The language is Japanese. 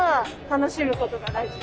楽しむことが大事。